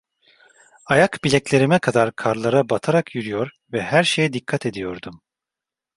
Ayak bileklerime kadar karlara batarak yürüyor ve her şeye dikkat ediyordum.